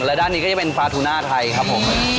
และด้านนี้ก็จะเป็นปลาทูน่าไทยครับผม